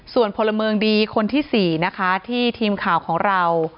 ส่วนพลเมืองดีคนที่๔นะคะที่ทีมข่าวของเรา